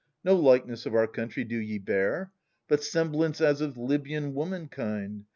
No likeness of our country do ye bear. But semblance as of Libyan womankind.